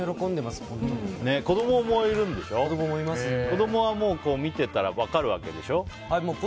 子供は見てたら分かるわけでしょ。